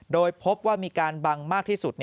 โดยพบว่ามีการบังมากที่สุด